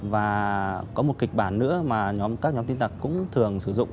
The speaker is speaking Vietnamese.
và có một kịch bản nữa mà nhóm các nhóm tin tạc cũng thường sử dụng